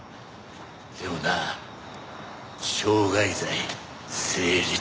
でもな傷害罪成立。